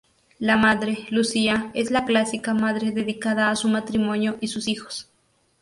La madre, Lucía, es la clásica madre dedicada a su matrimonio y sus hijos.